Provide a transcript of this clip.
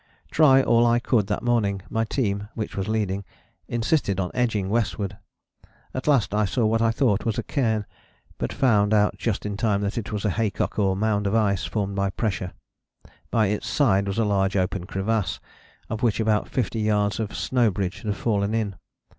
Try all I could that morning, my team, which was leading, insisted on edging westwards. At last I saw what I thought was a cairn, but found out just in time that it was a haycock or mound of ice formed by pressure: by its side was a large open crevasse, of which about fifty yards of snow bridge had fallen in.